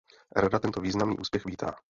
Rada tento významný úspěch vítá.